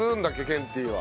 ケンティーは。